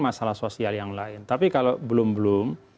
masalah sosial yang lain tapi kalau belum belum